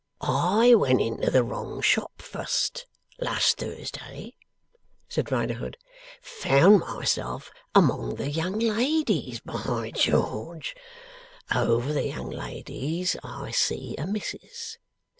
'I went into the wrong shop, fust, last Thursday,' said Riderhood. 'Found myself among the young ladies, by George! Over the young ladies, I see a Missis.